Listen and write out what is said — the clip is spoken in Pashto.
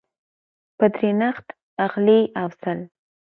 په درنښت اغلې افضل